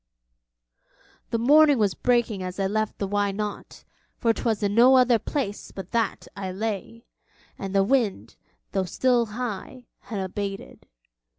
The morning was breaking as I left the Why Not?, for 'twas in no other place but that I lay, and the wind, though still high, had abated.